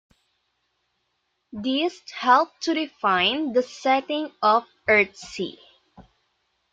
These helped to define the setting of Earthsea.